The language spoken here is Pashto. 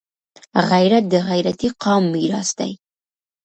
غیرت د غیرتي قام میراث دی